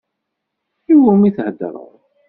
Iwumi theddṛeḍ?